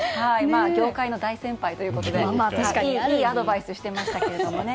業界の大先輩ということでいいアドバイスをしてましたけれどもね。